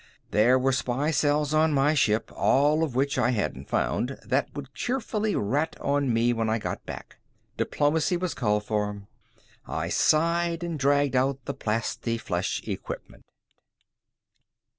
There were spy cells on my ship, all of which I hadn't found, that would cheerfully rat on me when I got back. Diplomacy was called for. I sighed and dragged out the plastiflesh equipment.